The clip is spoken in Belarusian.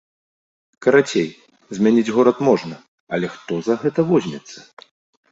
Карацей, змяніць горад можна, але хто за гэта возьмецца?